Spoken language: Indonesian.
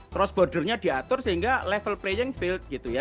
cross bordernya diatur sehingga level playing field gitu ya